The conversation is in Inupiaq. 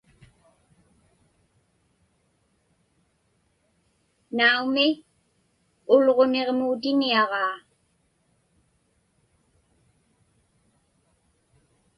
Naumi, Ulġuniġmuutiniaġaa.